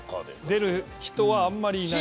出る人はあんまりいないです。